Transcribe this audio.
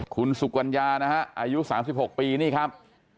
คุณสุกัญญานะฮะอายุ๓๖ปีนี่ครับ